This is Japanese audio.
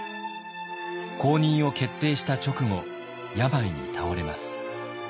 後任を決定した直後病に倒れます。